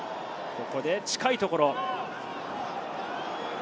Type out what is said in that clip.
ここで近いところ。